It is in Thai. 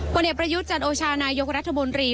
เอกประยุทธ์จันโอชานายกรัฐมนตรี